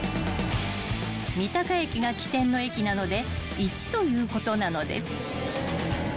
［三鷹駅が起点の駅なので「１」ということなのです］